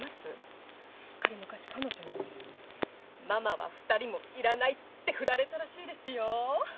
彼昔彼女に「ママは２人もいらない」って振られたらしいですよ。